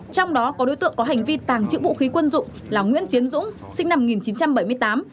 trong đó có đối tượng có hành vi tàng trữ vũ khí quân dụng là nguyễn tiến dũng sinh năm một nghìn chín trăm bảy mươi tám